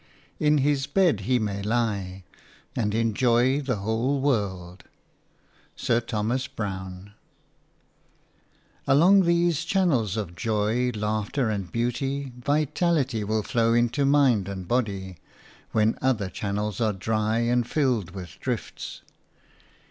"In his bed he may lie. .. and enjoy the whole world." – SIR THOMAS BROWNE. ALONG these channels of Joy, Laughter and Beauty vitality will flow into mind and body when other channels are dry and filled with drifts.